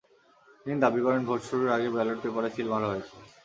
তিনি দাবি করেন, ভোট শুরুর আগেই ব্যালট পেপারে সিল মারা হয়েছে।